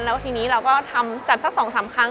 แล้วทีนี้เราก็จัดสักสองสามครั้ง